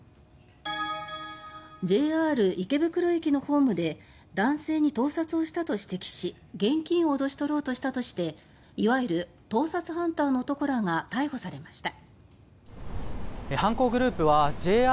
ＪＲ池袋駅のホームで男性に盗撮をしたと指摘し現金を脅し取ろうとしたとしていわゆる「盗撮ハンター」の男らが逮捕されました。